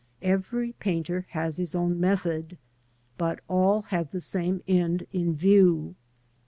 Every painter has his own method, but all have the same end in view.